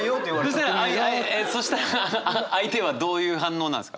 そしたら相手はどういう反応なんですか？